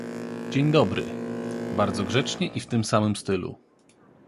— Dzień dobry — bardzo grzecznie i w tym samym stylu.